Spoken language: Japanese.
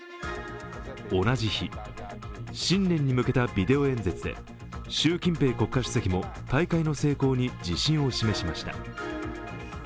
そして同じ日新年に向けたビデオ演説で習近平国家主席も大会の成功に自信を示しました。